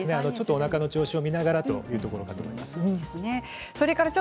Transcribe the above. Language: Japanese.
おなかの調子を見ながらということだと思います。